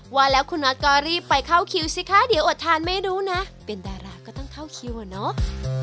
ว่าแล้วคุณน็อตก็รีบไปเข้าคิวสิคะเดี๋ยวอดทานไม่รู้นะเป็นดาราก็ต้องเข้าคิวอะเนาะ